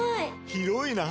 広いな！